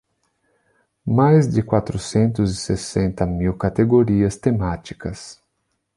Mais de quatrocentos e sessenta mil categorias temáticas.